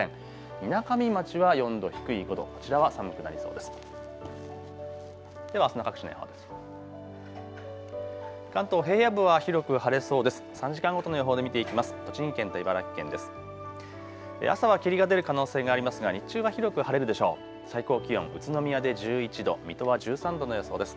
みなかみ町は４度低い５度こちらは寒くなりそうです。